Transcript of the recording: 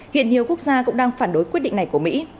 hiện nhiều quốc gia cũng đang phản đối quyết định này của mỹ